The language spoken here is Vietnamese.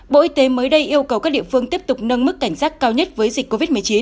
bộ y tế mới đây yêu cầu các địa phương tiếp tục nâng mức cảnh giác cao nhất với dịch covid một mươi chín